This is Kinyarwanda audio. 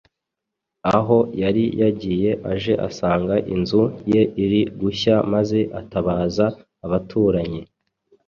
aho yari yagiye aje asanga inzu ye iri gushya maze atabaza abaturanyi